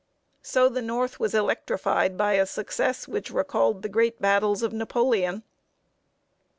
So the North was electrified by a success which recalled the great battles of Napoleon.